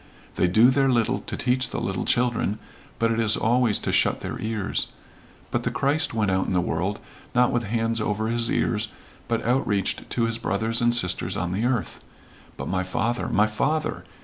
They do their little to teach the little children, but it is always to shut their ears. But the Christ went out in the world, not with hands over his ears, but outreached to his brothers and sisters on the earth. But my father my father!